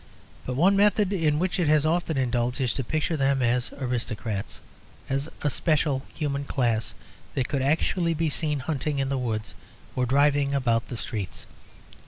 But one method in which it has often indulged is to picture them as aristocrats, as a special human class that could actually be seen hunting in the woods or driving about the streets.